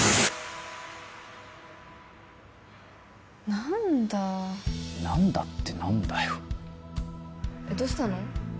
何だ何だって何だよどうしたの？